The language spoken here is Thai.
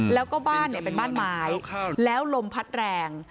แล้วก็บ้านเป็นบ้านไม้แล้วลมพัดแรง